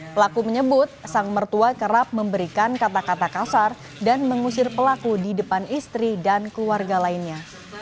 pelaku menyebut sang mertua kerap memberikan kata kata kasar dan mengusir pelaku di depan istri dan keluarga lainnya